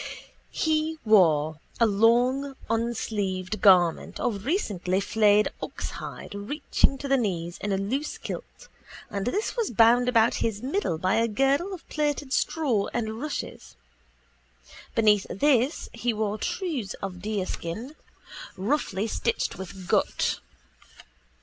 He wore a long unsleeved garment of recently flayed oxhide reaching to the knees in a loose kilt and this was bound about his middle by a girdle of plaited straw and rushes. Beneath this he wore trews of deerskin, roughly stitched with gut.